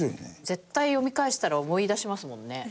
絶対読み返したら思い出しますもんね。